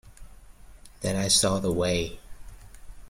Then I saw the way.